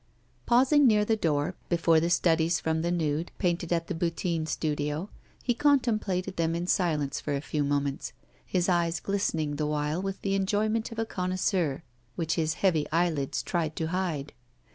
Pausing near the door, before the studies from the nude, painted at the Boutin studio, he contemplated them in silence for a few moments, his eyes glistening the while with the enjoyment of a connoisseur, which his heavy eyelids tried to hide.